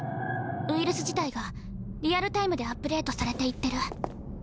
ウイルス自体がリアルタイムでアップデートされていってる。